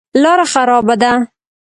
لاره خرابه ده.